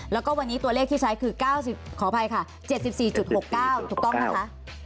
แล้วก็วันนี้ตัวเลขที่ใช้คือ๙๐ขออภัยค่ะ๗๔๖๙ถูกต้องนะคะ